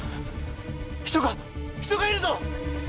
人が人がいるぞ！